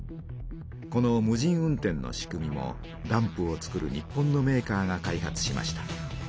この無人運転の仕組みもダンプをつくる日本のメーカーが開発しました。